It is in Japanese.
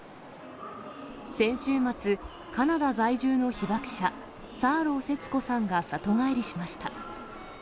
先週末、カナダ在住の被爆者、サーロー節子さんが里帰りしました。